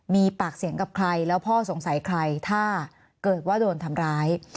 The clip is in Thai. มีปากเสียงกับใครแล้วพ่อสงสัยใครถ้าเกิดว่าโดนทำร้าย